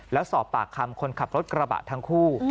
แล้วสอบปากคำคนขับรถกระบะทั้งคู่